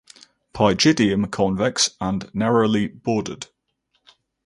Pygidium convex and narrowly bordered.